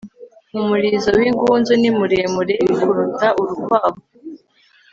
umurizo w'ingunzu ni muremure kuruta urukwavu